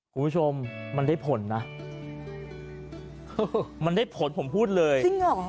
คุณผู้ชมมันได้ผลนะเออมันได้ผลผมพูดเลยจริงเหรอ